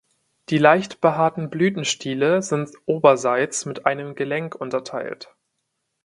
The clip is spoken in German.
Die leicht behaarten Blütenstiele sind oberseits mit einem „Gelenk“ unterteilt.